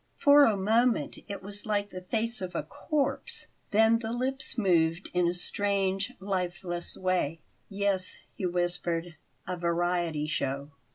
For a moment it was like the face of a corpse; then the lips moved in a strange, lifeless way. "Yes," he whispered; "a variety show."